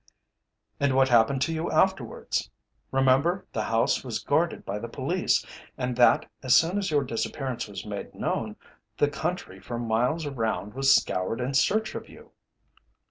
"And what happened to you afterwards? Remember the house was guarded by the police, and that, as soon as your disappearance was made known, the country for miles around was scoured in search of you."